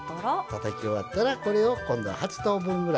たたき終わったらこれを今度は８等分ぐらい。